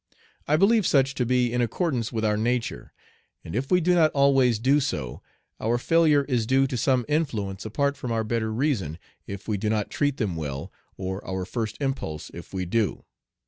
I believe such to be in accordance with our nature, and if we do not always do so our failure is due to some influence apart from our better reason, if we do not treat them well, or our first impulse if we do.